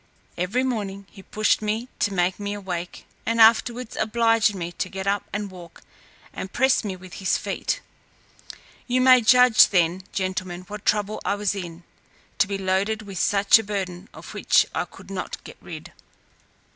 Every morning he pushed me to make me awake, and afterwards obliged me to get up and walk, and pressed me with his feet. You may judge then, gentlemen, what trouble I was in, to be loaded with such a burden of which I could not get rid.